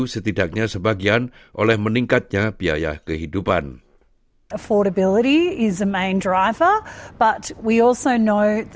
setidaknya sebagian oleh meningkatnya biaya kehidupan